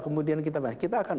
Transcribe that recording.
kemudian kita baik kita akan